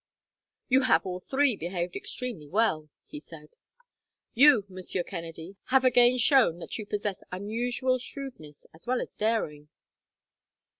"You have all three behaved extremely well," he said. "You, Monsieur Kennedy, have again shown that you possess unusual shrewdness, as well as daring.